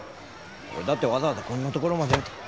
俺だってわざわざこんなところまで。